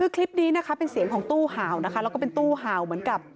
คลิปนี้เป็นเสียงของตู้หาวนะคะและก็เป็นตู้หาวเหมือนกับ